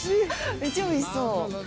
めっちゃおいしそう！